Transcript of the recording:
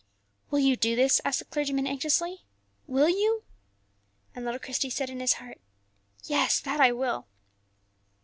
"Will you do this?" asked the clergyman, anxiously; "will you?" And little Christie said in his heart, "Yes, that I will."